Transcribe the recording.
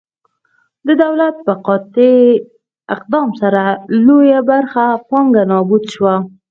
د دولت په قاطع اقدام سره لویه برخه پانګه نابوده شوه.